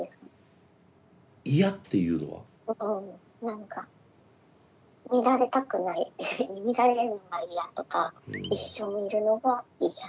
何か見られたくない見られるのが嫌とか一緒にいるのが嫌。